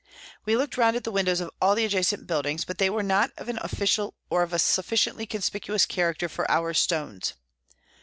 We looked round at the windows of all the adjacent buildings, but they were not of an official or of a sufficiently conspicuous character for our stones.